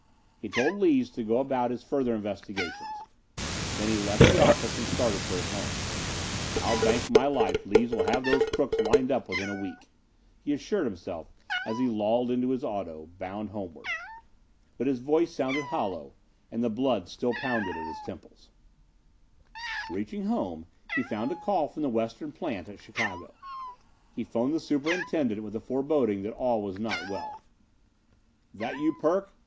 He told Lees to go about his further investigations. Then he left the office and started for his home. "I'll bank my life Lees will have those crooks lined up within a week," he assured himself as he lolled in his auto, bound homeward. But his voice sounded hollow, and the blood still pounded at his temples. Reaching home, he found a call from the western plant, at Chicago. He phoned the superintendent with a foreboding that all was not well. "This you, Perk?"